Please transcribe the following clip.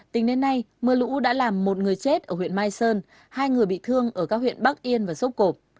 tính đến nay mưa lũ đã làm một người chết ở huyện mai sơn hai người bị thương ở các huyện bắc yên và sốc cộp